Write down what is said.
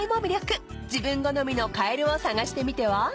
［自分好みのカエルを探してみては？］